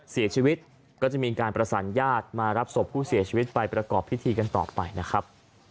เสียชีวิตก็จะมีการประสานญาติมารับศพผู้เสียชีวิตไปประกอบพิธีกันต่อไปนะครับ